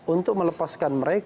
untuk melepaskan mereka